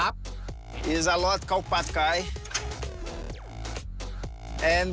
เป็นการกิน